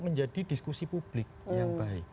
menjadi diskusi publik yang baik